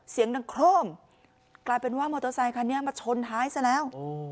เสียงดังโครมกลายเป็นว่ามอเตอร์ไซคันนี้มาชนท้ายซะแล้ว